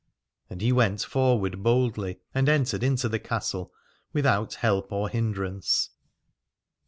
And he went for ward boldly and entered into the castle with out help or hindrance.